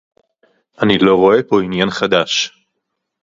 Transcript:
אני לא רואה פה עניין חדש